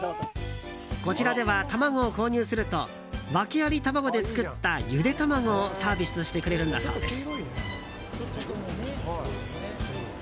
こちらでは卵を購入すると訳ありたまごで作ったゆで卵をサービスしてくれるんだそうです。